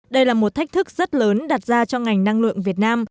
đây là một thách thức rất lớn đặt ra cho ngành năng lượng việt nam